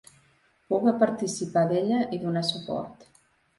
Puga participar d’ella i donar suport.